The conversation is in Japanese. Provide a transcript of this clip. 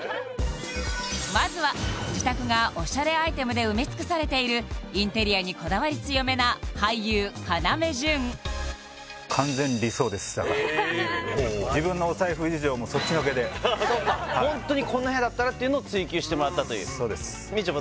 まずは自宅がオシャレアイテムで埋め尽くされているインテリアにこだわり強めな俳優・要潤自分のホントにこんな部屋だったらっていうのを追求してもらったというそうですみちょぱ